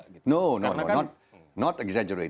tidak tidak mengeksagerasi